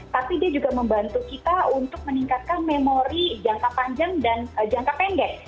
tapi dia juga membantu kita untuk meningkatkan memori jangka panjang dan jangka pendek